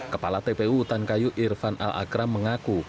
kepala tpu utankayu irfan al akram mengaku